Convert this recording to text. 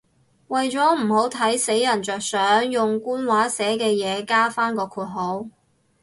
為咗唔好睇死人着想，用官話寫嘅嘢加返個括號